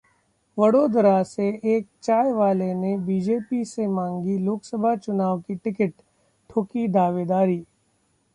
वडोदरा से एक चायवाले ने बीजेपी से मांगी लोकसभा चुनाव की टिकट, ठोकी दावेदारी